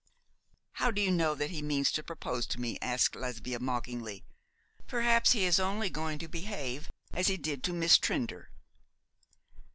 'How do you know that he means to propose to me?' asked Lesbia, mockingly. 'Perhaps he is only going to behave as he did to Miss Trinder.'